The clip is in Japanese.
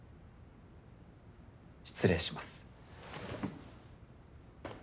失礼します。